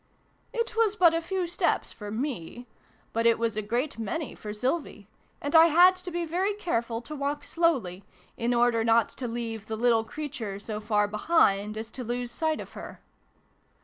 It was but a few steps for me ; but it was a great many for Sylvie ; and I had to be very careful to walk slowly, in order not to leave the little creature so far behind as to lose sight of her.